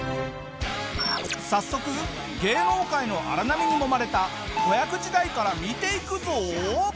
早速芸能界の荒波にもまれた子役時代から見ていくぞ。